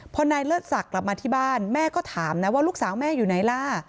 พอนายเลิศศักดิ์กลับมาที่บ้านแม่ก็ถามนะว่าลูกสาวแม่อยู่ไหนล่ะ